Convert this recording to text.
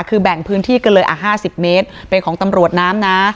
คือแบ่งพื้นที่กันเลยอ่ะ๕๐เมตรเป็นของตำรวจน้ำนะ